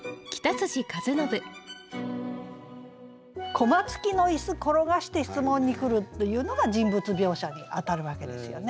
「コマつきの椅子転がして質問に来る」というのが人物描写に当たるわけですよね。